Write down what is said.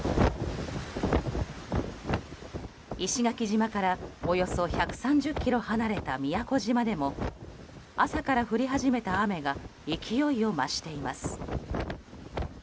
石垣島から、およそ１３０Ｋｍ離れた宮古島でも朝から降り始めた雨が勢いを増しています。